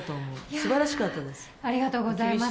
すばらしかったです。